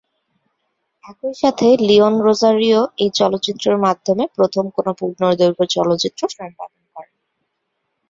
একই সাথে "লিয়ন রোজারিও এই চলচ্চিত্রের মাধমে প্রথম কোন পূর্ণদৈর্ঘ্য চলচ্চিত্র সম্পাদনা করেন"।